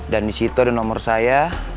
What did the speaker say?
dan disitu ada nomor saya